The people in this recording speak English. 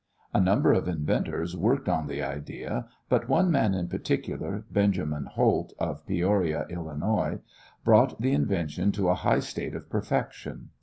A number of inventors worked on this idea, but one man in particular, Benjamin Holt, of Peoria, Illinois, brought the invention to a high state of perfection.